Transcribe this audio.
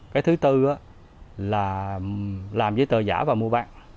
cái thứ tư là làm giấy tờ giả và mua bán